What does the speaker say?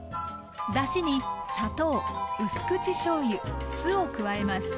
だしに砂糖うす口しょうゆ酢を加えます。